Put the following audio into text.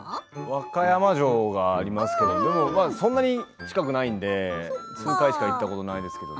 和歌山城がありますけどそんなに近くないので数回しか行ったことないですけど。